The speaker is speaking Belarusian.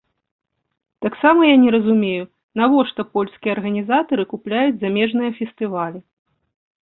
Таксама я не разумею, навошта польскія арганізатары купляюць замежныя фестывалі.